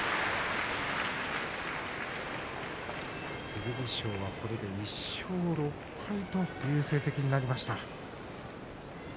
剣翔は、これで１勝６敗という成績になりました。